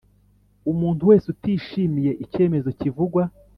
Umuntu wese utishimiye icyemezo kivugwa